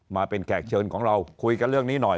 มาเป็นแขกเชิญของเราคุยกันเรื่องนี้หน่อย